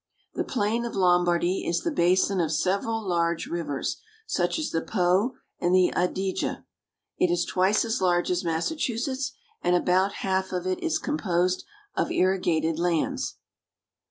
The plain of Lombardy is the basin of several large rivers, such as the Po and the Adige (a de'je). It is twice as large as Massachusetts and about one half of it is composed of irrigated lands.